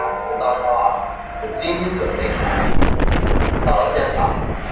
隆庆二年戊辰科第三甲第九十四名进士。